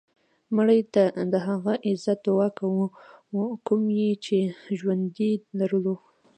مړه ته د هغه عزت دعا کوو کوم یې چې ژوندی لرلو